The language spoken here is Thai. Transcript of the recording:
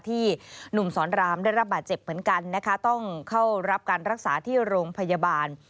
หนุ่มสอนรามได้รับบาดเจ็บเหมือนกันนะคะต้องเข้ารับการรักษาที่โรงพยาบาล